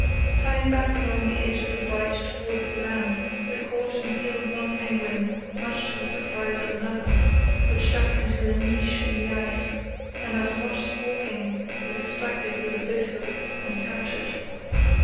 Coming back along the edge of the bight towards the land, we caught and killed one penguin, much to the surprise of another, which ducked into a niche in the ice and, after much squawking, was extracted with a boat hook and captured.